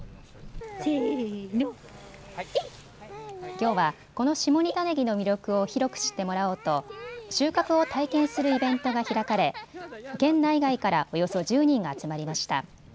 きょうはこの下仁田ねぎの魅力を広く知ってもらおうと収穫を体験するイベントが開かれ県内外からおよそ１０人が集まりました。